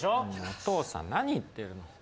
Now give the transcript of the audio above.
お父さん何言ってるの。